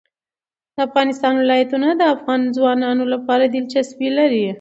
د افغانستان ولايتونه د افغان ځوانانو لپاره دلچسپي لري.